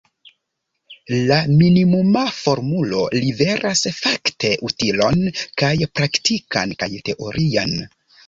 La minimuma formulo liveras, fakte, utilon kaj praktikan kaj teorian.